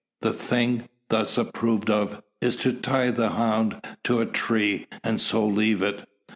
The "thing" thus approved of, is to tie the hound to a tree, and so leave it.